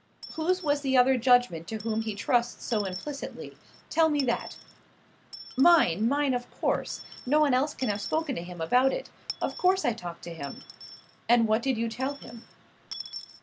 "Whose was the other judgment to whom he trusts so implicitly? Tell me that." "Mine, mine, of course. No one else can have spoken to him about it. Of course I talked to him." "And what did you tell him?"